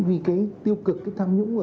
vì cái tiêu cực cái tham nhũng